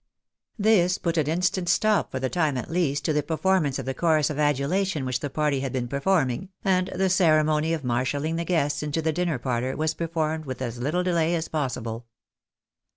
This put an instant stop, for the time at least, to the perform ance of the chorus of adulation which the party had been performing, and the ceremony of marshalling the guests into the dinner parlour was performed with as little delay as possible.